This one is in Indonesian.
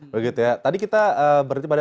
begitu ya tadi kita berhenti pada